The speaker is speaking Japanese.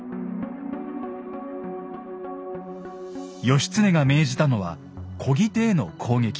義経が命じたのはこぎ手への攻撃。